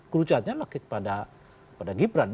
kerucutnya pada gibran